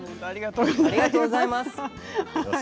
ありがとうございます。